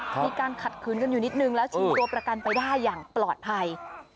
มีการขัดขืนกันอยู่นิดนึงแล้วชิงตัวประกันไปได้อย่างปลอดภัย